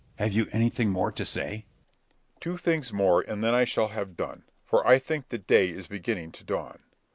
Have you anything more to say? Berg. Two things more and then I shall have done, for I think day is beginning to dawn.